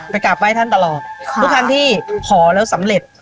ไปกาบไว้ท่านตลอดค่ะทุกทางที่ขอแล้วสำเร็จ